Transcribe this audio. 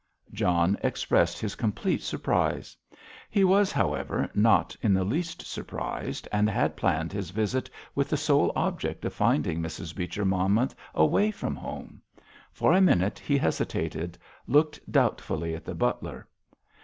John expressed his complete surprise. He was, however, not in the least surprised, and had planned his visit with the sole object of finding Mrs. Beecher Monmouth away from home. For a minute he hesitated, looking doubtfully at the butler.